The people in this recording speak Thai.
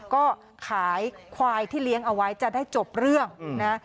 ก็ขายควายที่เลี้ยงเอาไว้จะได้จบเรื่องนะ